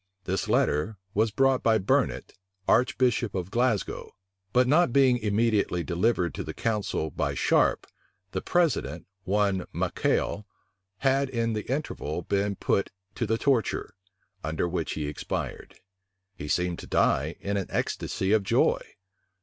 [*] This letter was brought by Burnet, archbishop of Glasgow; but not being immediately delivered to the council by Sharpe, the president,[] one Maccail had in the interval been put to the torture, under which he expired. He seemed to die in an ecstasy of joy.